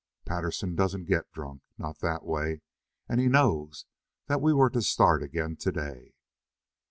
"Patterson doesn't get drunk not that way. And he knows that we were to start again today."